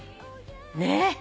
ねえ。